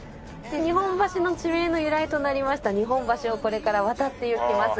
日本橋の地名の由来となりました日本橋をこれから渡っていきます。